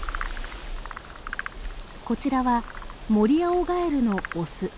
こちらはモリアオガエルのオス。